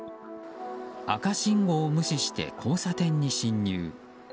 赤信号を無視して、交差点に進入。